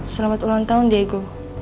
selamat ulang tahun diego